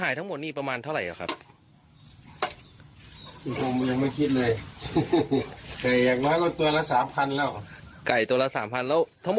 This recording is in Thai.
หนึ่งสองสามสี่ห้าหกเก็บสิบสี่สิบสี่สิบสี่วันนี้